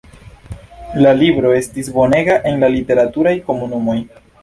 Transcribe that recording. La libro estis bonega en la literaturaj komunumoj.